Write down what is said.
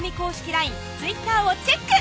ＬＩＮＥ・Ｔｗｉｔｔｅｒをチェック！